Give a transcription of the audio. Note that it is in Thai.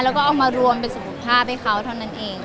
แล้วก็เอามารวมเป็นสุขภาพให้เขาเท่านั้นเอง